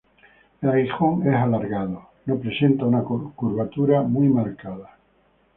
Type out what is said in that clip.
El aguijón es alargado, no presenta una curvatura muy marcada.